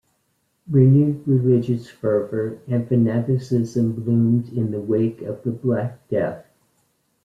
Renewed religious fervour and fanaticism bloomed in the wake of the Black Death.